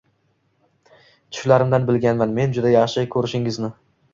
Tushlarimdan bilganman meni juda yaxshi ko`rishingizni